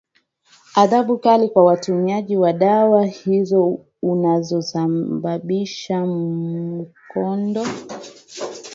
adhabu kali kwa watumiaji wa dawa hizo unasababisha mkondo